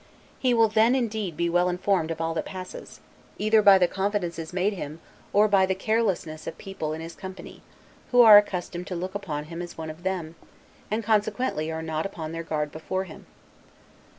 He will then, indeed, be well informed of all that passes, either by the confidences made him, or by the carelessness of people in his company, who are accustomed to look upon him as one of them, and consequently are not upon their guard before him.